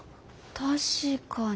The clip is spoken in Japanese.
確かに。